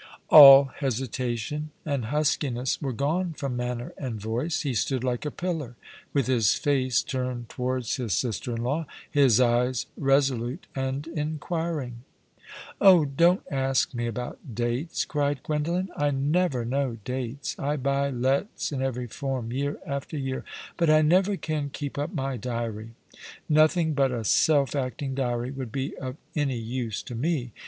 " All hesitation and huskiness were gone from manner and voice. He stood like a pillar, with his face turned towards his sister in law, his eyes resolute and inquiring. " Oh, don't ask mo about dates," cried Gwendolen, " I never know dates. I buy Letts in every form, year after year — but I never can keep up my diary. Nothing but a self acting diary would be of any use to me.